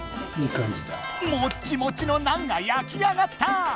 もっちもちのナンが焼き上がった！